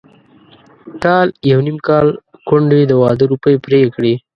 کال يو نيم کال کونډې د واده روپۍ پرې کړې.